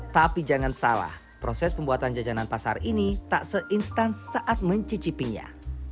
tapi jangan salah proses pembuatan jajanan pasar ini tak seinstans saat mencicipinya